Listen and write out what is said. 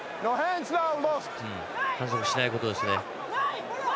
反則しないことですね。